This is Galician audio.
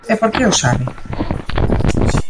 ¿E por que o sabe?